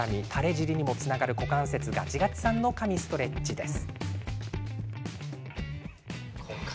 尻にもつながる股関節ガチガチさんの神ストレッチです。